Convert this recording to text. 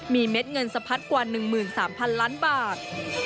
มีเม็ดเงินสะพัดกว่า๑๓๐๐๐ล้านบาท